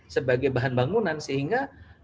sebagai bahan bangunan sehingga